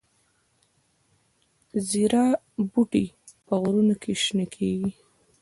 زیره بوټی په غرونو کې شنه کیږي؟